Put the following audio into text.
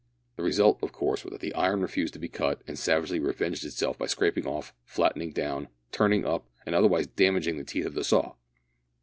The result, of course, was that the iron refused to be cut, and savagely revenged itself by scraping off, flattening down, turning up, and otherwise damaging, the teeth of the saw!